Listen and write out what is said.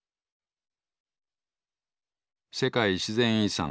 世界自然遺産